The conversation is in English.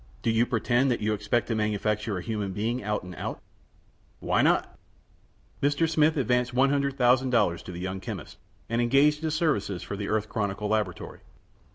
"Do you pretend that you expect to manufacture a human being out and out?" "Why not?" Mr. Smith advanced $100,000 to the young chemist, and engaged his services for the Earth Chronicle laboratory.